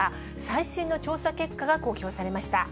最新の調査結果が公表されました。